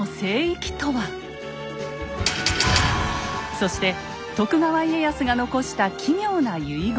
そして徳川家康が残した奇妙な遺言。